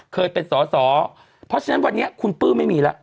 เคยเป็นสอสอเพราะฉะนั้นวันนี้คุณปื้มไม่มีแล้ว